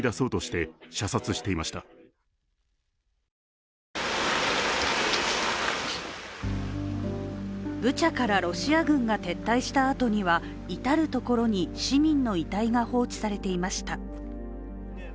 更にブチャからロシア軍が撤退したあとには至る所に市民の遺体が放置されていました。